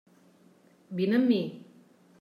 Vine amb mi.